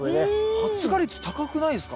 発芽率高くないですか？